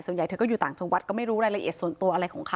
เธอก็อยู่ต่างจังหวัดก็ไม่รู้รายละเอียดส่วนตัวอะไรของเขา